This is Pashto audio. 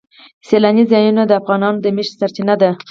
سیلانی ځایونه د افغانانو د معیشت سرچینه ده.